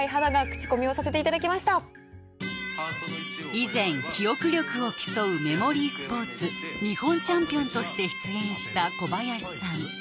以前記憶力を競うメモリースポーツ日本チャンピオンとして出演した小林さん